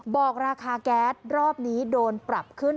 บอกราคาแก๊สรอบนี้โดนปรับขึ้น